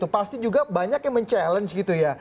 pasti juga banyak yang men challenge gitu ya